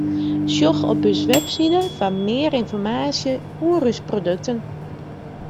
Sjoch op ús website foar mear ynformaasje oer ús produkten.